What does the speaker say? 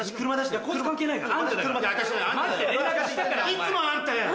いつもあんたやん。